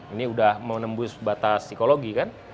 ini sudah menembus batas psikologi kan